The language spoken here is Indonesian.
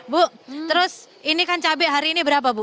bu terus ini kan cabai hari ini berapa bu